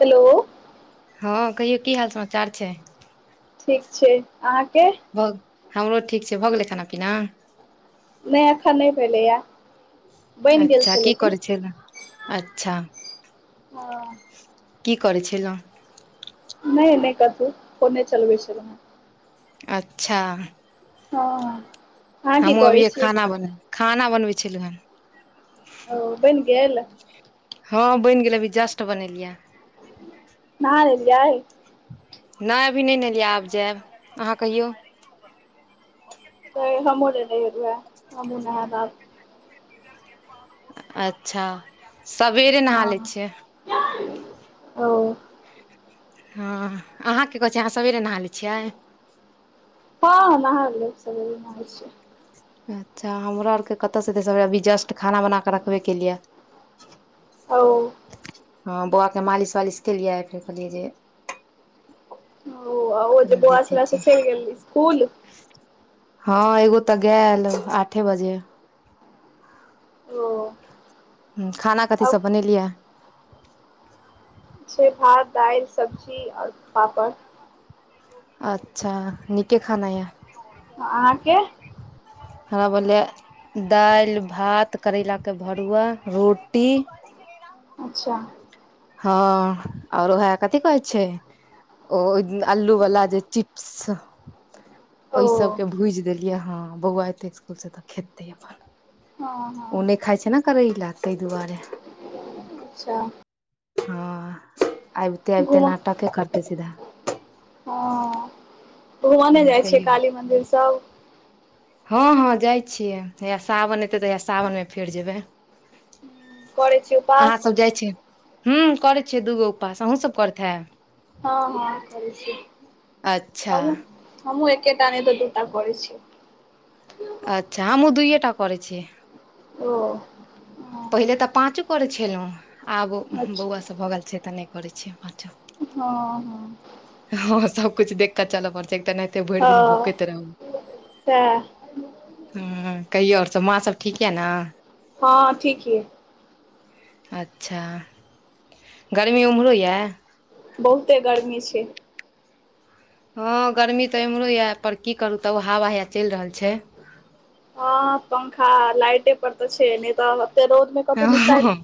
Hello हाँ कहियौ कि हाल समाचार छै। ठीक छै अहाँके भ हमरो ठीक छै, भऽ गेलै खाना पीना। नहि अखन नै भेलैया। बैन गेल अच्छा छै की लेकिन करै छलहुँ अच्छा हाँ। कि करै छेल‌ऊ। नहि-नहि कथु, फोने चलबै छलहुँ हैं। अच्छा हँ अहाँ की हमहुँ करै अभीए छियै खाना बने खाना बनबै छेलु हैं। ओ बैन गेल। हाँ बैन गेलै, अभी जस्ट बनेलियाँ नहा लेलियै। नाहि अभी नहि नेहेलियै आब जैब अहाँ कहियौ। तै हमूँहु नहि नहेलू हैं, हमहु नहैब आब। अँच्छा सवेरे नहा लै हँ छियै। ओ ह अहाँ कि करै छियै अहाँ सवेरे नहा लै छियै तऽ नहाइब लेब सबेरे नहाइ छियै अँच्छा हमरो आरके कतऽ सँ हेतै सबेरे अभी जस्ट खाना बना कऽ रखबे केलिये औ हँ बौआ के मालिश-वालिश केलियै फेर कहलियै जे ओ अ ओ जे कनि बौआ देखै छलै छियै से चलि गेल इसकूल। हँ एगो तऽ गैल आठे बजे ओ हुं खाना कथी अब सब बनेलियै छै भात दाइल सब्जी आर पापड़ अच्छा नीके खाना यै ह अहाँके हमर बनलैयै दाइल भात करैला के भरुआ रोटी अच्छा हँ ओर ओहे कथी कहै छै ओ इ अल्लू वाला जे चिप्स छ ओहि ओ सबके भुजि देलियै हँ बौआ एतै इसकूल सऽ तऽ खेतै अपन हँ ओ हँ नहि खाइ छै ने करैला ताहि दुआरे। अच्छा हँ आबिते-आबिते घुम नाटके करते सीधा। घुम नै ह जाए छियै कहियौ काली मंदिर सब हँ हँ जाइत छियै हैया सावन एतै तऽ हैया सावन मे फेर जेबैय। करै छी अहाँ उपास सब जाइ छी हुं करै छियै दूगो उपास अहुूँ सब करैत हेैब। हँ हँ करै छी। अच्छा हमहु एकेटा नहि तऽ दुटा करै छी अच्छा हमू दुएटा करै छी ओ पहिले तऽ पाँचु करैत छेलौ आब ओ अच्छा बौआसब भऽ गेल छै तऽ नहि करै छियै पाँचो। हँ हँ हँ सबकुछ देख कऽ चलऽ पड़ै छै एक तऽ एनाहिते भरि दिन हँ भूकैत रहू सएह ह कहियौ ओर सब माँसब ठीक यए न। हँ ठीक यै अच्छा गर्मी ओम्हरो येऽ बहुते गर्मी छैए हँ गर्मी तऽ एम्हरो येऽ पर की करू तब हवा हया चलि रहल छै हँ पंखा आ लाइटे पर तऽ छै नहि तऽ एते रौद मे हँ कतौ निकाइल हँ,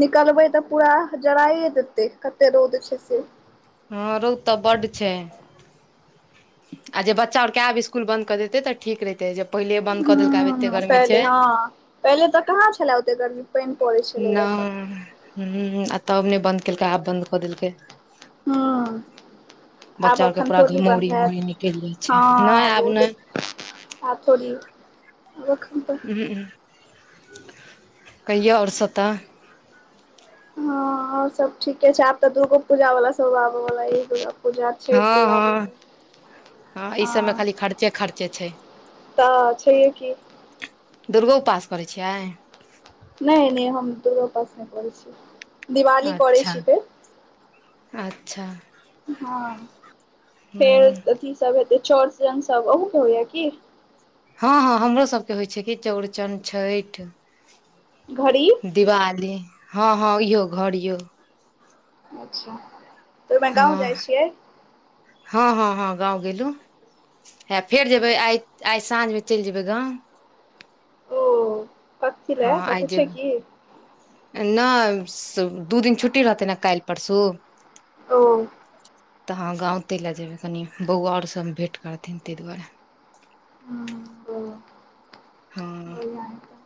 निकलबै तऽ पूरा जराइए देतै कते रौद छै से। हँ रौद तऽ बड्ड छै आ जे बच्चा ओर आब इसकूल बन्द कऽ देतै तऽ ठीक रहितै, जे पहिले बन्द कऽ देलका आब एते हम गर्मी छै पहिले हँ पहिले तऽ कहाँ छलै ओते गर्मी। पानि पड़ै छलैया तऽ नहि हुं हुं आ तब नहि बन्द केलकै आब बन्द कऽ देलकै। ह आब बच्चा आर के अखन पूरा थोड़ी घमौरी बन्द उमौरी हैत निकलि जाइ छै हँ नहि आब ओ तऽ आब थोड़ी आब एखन तऽ उहुं उहुं कहियौ और सब तऽ हां और सब ठीके छैय, आब तऽ दुर्गो पूजा वाला सब आबै वला ऐय दुर्गा पुजा छैय, हँ दिवाली हँ मे सब हँ ई सबमे हां खाली खर्चे खर्चे छै तऽ छैेये की दुर्गो उपास करैय छियै। नै नै हम दुर्गों उपास नहि करै छियै। अच्छा अच्छा हां फेर ह अथी सब हेतै, चौरचन सब अहुं के होइया की हां हां हमरो सबके होइ छै कि चौरचन छैठ घड़ी दिवाली हां हां इहो घड़ियों अच्छा तऽ ओहिमे गाँव हां जाइ छियै हां हां हां गाँव गेलू। हां फेर जेबै अच्छा आइ आइ साँझिमे चलि जेबै गाँव ओ कथी ले हां आइ कतहु छै की जेबै नै सु दू दिन छुट्टी रहतै नै काल्हि परसू ओ [unintelligible] तऽ अहाँ गाँव ते लए जेबै कनि बौआ और सभ भेँट करथिन तहि दुआरे हँ ओहि जान तैय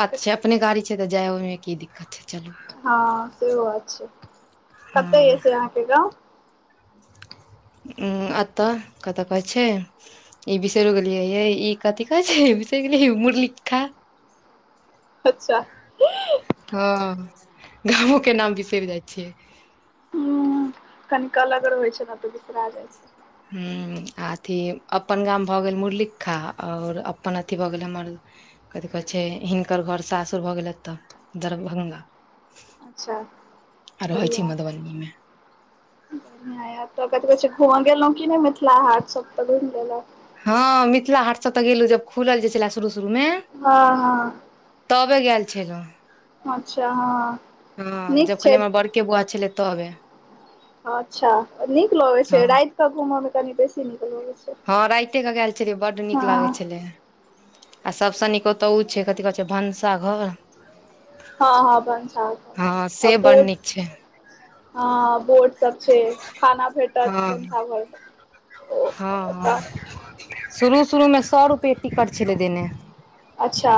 बात छैय, अपने गाड़ी छै तऽ जाय ओहिमे की दिक्कत छै, चलू हां सेहो बात छै, हँ कते ये से अहाँके गाँव हूॅं, एतय कतोका छैय। ई बिषर यो गेलिये य ई कथी कहै छै बिषरियो गेलियै मुरलिखा [inaudible] अच्छा हां गामो के नाम बिसरि जाइ छियै। कनि क अलगर होइ छै, ने तऽ बिसरा जाइ छैय। हूॅं, आ अथी अपन गाम भऽ गेल मुरलिक्खा और अपन अथी भऽ गेल हमर कथी कहै छै, हिनकर घर सासुर भऽ गेल एतऽ दरभंगा अच्छा आ रहैय छी बढ़िआँ मधुबनी मे बढ़िआँ तऽ कथी कहै छै, घुम गेलहुँ की नैय मिथिला हाट सब तऽ घुमि लेलक हां मिथिला हाट सब तऽ गेलु जब खुलल जे छले शुरू-शुरू मे हां हां। तबै गेल छलौ अच्छा हां नीक छैय। के बोआ छलै तबे अच्छा नीक लगे छै, हँ राति कऽ घूमऽ में कनी बेसी नीक लगे छै। हां राइते क गेल छलियै, बड्ड नीक हँ लागै छलै। आ सबसे नीक ओतयऽ ओ छैय, कथी कहैत छै भनसाघर हां हां हँ भनसाघर आ से बड़ बोट नीक छै हां बोट सब छैय, खाना भेटत हँ भनसाघर ओतय शुरू-शुरूमे सबके टिकट छलै दने, अच्छा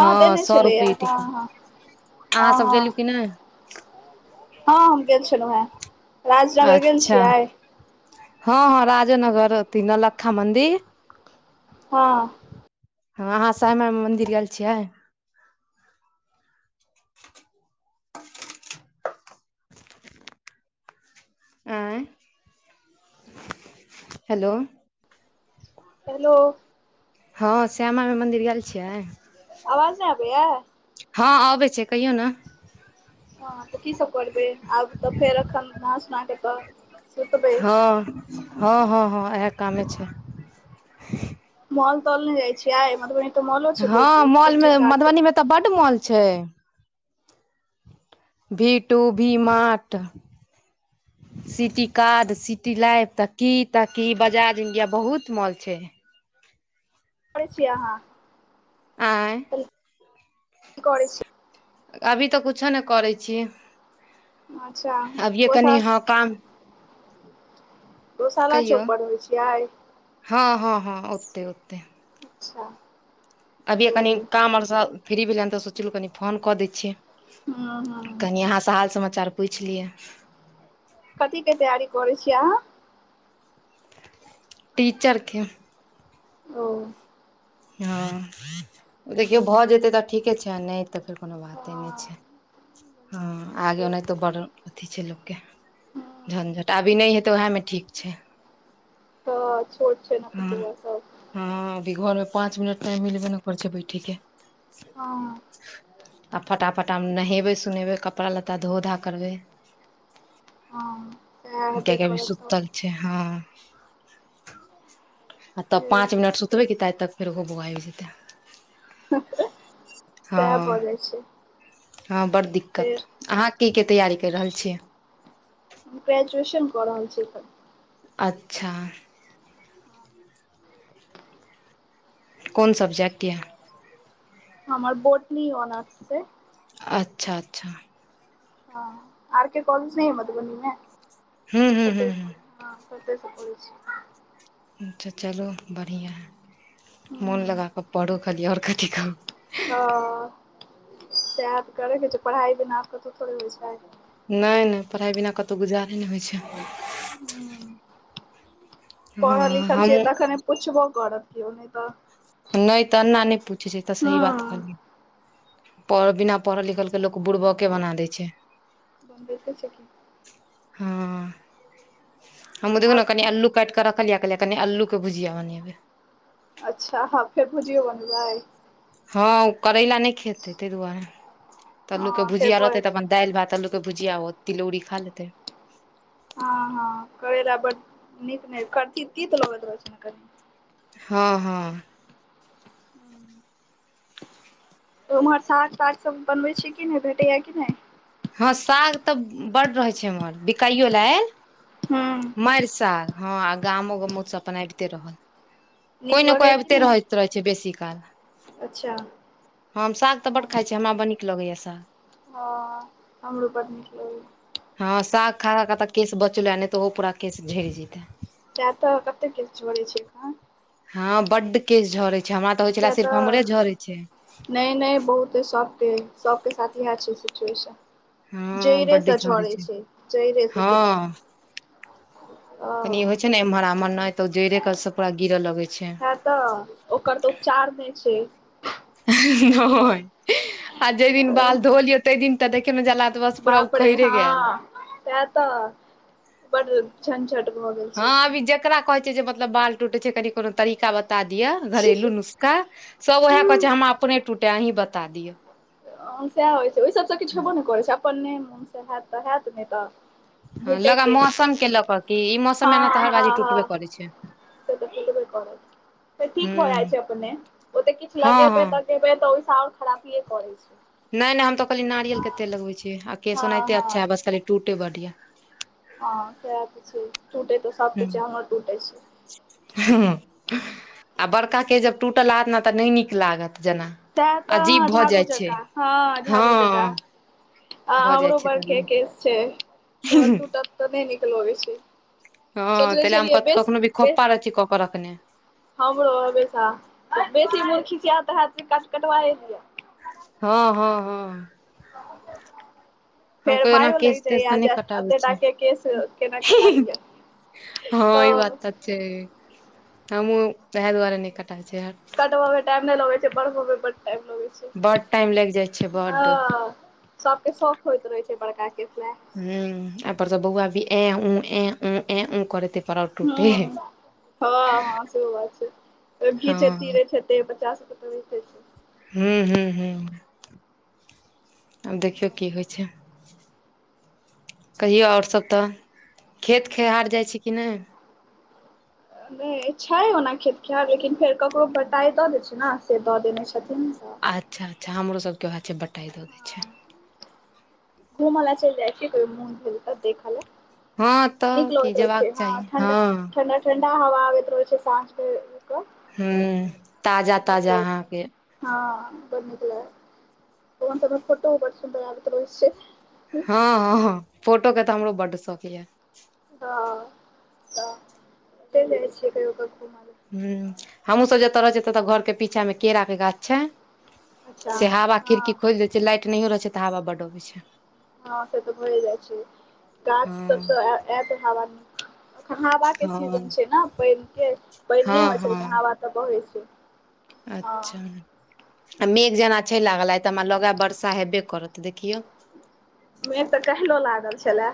हां देने छलैया सबके ई हँ टिकट हँ अहाँ हँ सब गेलु की नै हां हम गेल छलू हे। अच्छा हँ-हँ राजे नगर अथि नौल्खा मंन्दिर, हँ। अहाँ श्यमा मंन्दिर गेल छियै। [unintelligible] आँय हेलो। हेलो। हँ श्याना मा मन्दिंर गेल छियै। आवाज नै आबैया। हँ आबै छै कहियौ ना। ह त की सब करबे आब त फेर एखन नहा सुोना क त सुतबे। हँ-हँ-हँ-हँ एहै कामे छै। मॉल तॉल ने जाइ छि आइ मधुबनी त मलो छै बहुते सिटी कार सब, त बड मॉल छै। V two V mart. City cart, city life त की त की बजार इंडिया बहुत मॉल छैय। करै‌‌ छीये अहाँ। आँय। [inaudible] अभी त कुछो न करै छीय, अच्छा अभिये कनि पोसा हँ काम गोसाला कहियौ चौक पर रहै छी अयै। हँ- हँ -हँ ओते-ओते। अच्छा। अभिये ओ कनि काम आओरसँ फ्री भेलहें त सोचलहुँ कनि फोन क दै हूँ छियै। हूँ कनि अहाँसँ हाल समाचार पुइछ लियै। कथी कें तैयारी करै छीयै अहाँ। टीचर के। ओं। हँ देखियौ भ जेतै त ठीके छैन नय त फेर, कोनो बाते नै छै, हँ अगाँ ओना तो बड़ अथी छै लोक के, हँ झनझट अभी नय हेतैय ओहैमें ठीक छै। हँ छोट छै ना हँ बौआ सब। हँ अभी घरमें पाँच मिनट टाइम मिलबे नै करै छै बैठे के। हँ। आब फटाफटा मेँ नहेबे सोनेबे कपड़ा लत्ता धो-धा करबेय। हँ सेए हेतै कियाकि अभी करत त, सुतल हँ। तब फेर पाँच मिनट सुतबै कि तआइ तक फेर ओहौं बौआ आइब जेतैय। सेए भ हँ जाइ छै। हँ बड़ दिक्कत, फेर अहाँ की के तैयारी कैर रहल छियै। ग्रेजुएशन क रहल छी एखन। अच्छा। [inaudible] कोन सब्जेक्ट या। हमर बोटनी ओनर्श सै। अच्छा- अच्छा। हां आर के कॉलेज नै या मधुबनी मे हूँ हूँ हूँ ओतय हूँ से हां ओते से करै छी। अच्छा चलु बढ़ियाँ हय, मोन हूँ लगा कऽ पढु खाली और कथी कहु। हां साएह तऽ करैके छै, पढ़ाई बिना आब कतो थोड़े होय छै। नै-नै पढ़ाई बिना कतो गुजारे नै होय छै। हुं, हँ पढ़ल-लिखल छिये हमहूँ तखने पुछबो करत कियो नै तऽ नै तऽ अन्ना नै पूछै छै, इ तऽ सही बात हँ कहलियै। पढ़ बिना पढ़ल-लिखल के लोक बुरबक के बना दै छै, बनबैते छै कि हां। हमु देखु आब ने कनि अल्लू काट कऽ रखलियै, कहलियै कनि अल्लू के भुजिया बनेबै। अच्छा अहाँ फेर भुजियौ बनेबै। हां उ करैला नै खेतै तै दुआरे त अल्लू के हँ से भुजिया भऽ जाइ रहतै तऽ छै अपन दाएल, भात, अल्लू के भुजिया ओ तिलौरी खा लेतै। हां-हां करेला बड नीक नै कथी तीत लगैत रहै छै नै कनि। हां-हां। उम्हर साग-ताग सब बनबै छी कि नै भेटैया कि नै। हां साग तऽ बड रहे छै इमहर, बिकाइयो लऽ आएल। हुं। माएर साग हां आ गामो गमौत से अपन आएब ते रहल, नीक कोय नै लगैया कोय कि आबते नहि रहैत रहै छै बेसी काल। अच्छा। हम साग तऽ बड खाय छी, हमरा बड़ नीक लगैया साग। हां हमरो बड नीक लगैया। हां साग खा-खा के त केश बचलै नै तऽ उहो पूरा केश झैड़ जैते। साएह तऽ कते केस झड़ै छै एखन। हां बड केश झरै छै, हमरा तऽ होय छलाए सिर्फ हमरे झरै छै। नै-नै बहुते सबके, सबके साथ इहाए छै सिचुएशन। जैड़े से झड़ै छै, जैड़े से सीधा। हँ ओ कनि ई होय छै नै इम्हर आ उम्हर नै त ओ जैड़े के से पूरा गिरऽ लगै छै। है तऽ ओकर तऽ उपचार नै छै। नै आ जे दिन बाल धो लियौ तै दिन तऽ देखै मे जे लाग त बस पूरा उखैरे गेल। साएह त बड़ झनझट भ गेल। हां छै आब ई जेकरा कहै छै जे मतलब बाल टूटे छै कनि कुनू तरीका ब ता दियौ घरेलू नुस्खा सब उहाए कहै छै हमरा अपने टूटै अय अहीं बता दियौ। अ साएह होय छै, ओय सबसे किछ हेबो नै करै छै, अपने मोन से हैत तऽ हैत नै तऽ हां लगा झूठेके मौसम के लऽ कऽ की ई मौसम हँ मे एना तऽ हर हँ बारी टूटबे हँ करै छै। से तऽ टूटबे करत फेर ठीक भ जाय हूँ छै अपने, ओ ते किछ हँ हँ लगेबै त [unintelligible] से और खराबीये करै छै। नै-नै हम त खाली नारियल के हँ तेल लगबै छी आ केस ओना हँ एते अच्छा हँ या, बस खाली टूटै बड या। हां साएह ते छै, टूटै ते सबके छै, हमर टूटै छै। हूॅं आ बड़का के जब टूटा लागत ने तऽ नै नीक लागत जना। साएह त हां झाड़ू जकाॅं, हां झाड़ू हँ जकाॅं। आ भऽ जाइ हमरो छै बड़केे तनी केस छै तऽ टूटत तऽ नइ नीक लगै छै। हँ सोचने तइलै छलियै क बेस कखनो भी बेस खोपा रहय छी कऽ के रखने हमरो हमेशा बेसी मोन खिसिएत त हैत कि कट कटबाए लिअ हँ हँ हँ हम फेर कोइ ओना मायो केश लाइग जाइये तेश आ तऽ नहि कटाबै एते टाके छी केस केना कटा लिय हँ ई बात तऽ छै हमहूँ वएह दुआरे नइ कटाबै छि हट कटबै मे टाइम नइ लगै छै बढ़ब में बड टाइम लगै छै। बड टाइम लागि जाइ छै बड हॅं सबके शौख होइत रहै छै बड़का केस लय हूॅं एहिपर स बौआ भी ए ऊ ए ऊ ए ऊ करै तैं पर और टूटै हय हं हं सेहो बात छै हँ घीचैत तीरैत हेतै बच्चा सबके त हू हू हू आब देखियौ की होइ छै। कहियौ आओर सब तऽ खेत खेहार जाइ छी कि नइ नइ छै ओना खेत खेहार लेकिन फेर ककरो बटाइ दऽ दै छै ने से दऽ देने छथिन तऽ अच्छा अच्छा हमरो सबके वएह छै बटाइ दऽ दै छै। घुम लय चइल जाइ छियै कहियो मुन भेल त देख लय हँ तऽ नीक की लगैत रहइ छै जेबाक हँ चाही ठण्डा हँ ठण्डा ठंडा हवा आबैत रहै छै साँझ के हूँ ताजा ताजा अहाँके छै हँ बड नीक लग बौआ सबके फोटोओ बड़ सुन्दर आबैत रहै छै। हँ हँ हँ फोटो के तऽ हमरो बड शौख यऽ हॅं तऽ चइल जाइ छियै कहियो क घूम लय हूॅं हमहूँसब जतऽ रहै छियै तऽ घरके पीछा मे केरा के गाछ छै। अच्छा से हावा हँ खिड़की खोलि दै छियै लाइट नहियो रहै छै तऽ हवा बड अबै छै। हँ से तऽ भए जाय छै गाछ सब स हँ ए-एत हावा एखन हवाके हँ सीजन छै न पइनके पइन हँ नइ होइ छै हँ लेकिन हवा तऽ बहै छै हँ अच्छा आ मेघ जेना छै लागल आइ तऽ हमरा लगाइय वर्षा हेबे करत देखियौ मेघ तऽ काइलो लागल छलए